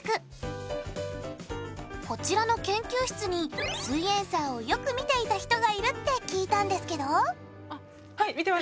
こちらの研究室に「すイエんサー」をよく見ていた人がいるって聞いたんですけど？